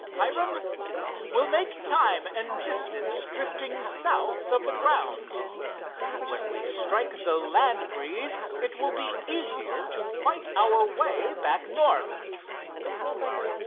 "Hiram, we'll make time and distance drifting south of the grounds. When we strike the land breeze it will be easier to fight our way back north."